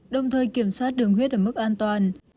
đồng thời kiểm soát đường huyết ở mức an toàn